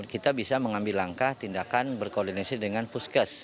kita bisa mengambil langkah tindakan berkoordinasi dengan puskes